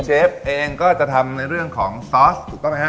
เชฟเองก็จะทำในเรื่องของซอสถูกต้องไหมฮะ